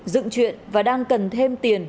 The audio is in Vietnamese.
dựng chuyện và đang cần thêm tiền